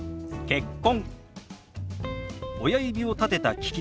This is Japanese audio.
「結婚」。